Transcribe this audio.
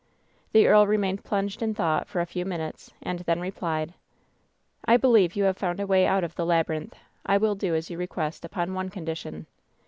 "The earl remained plimged in thought for a few min utes, and then replied :" 'I believe you have found a way out of the labyrinth. I will do as you request upon one condition.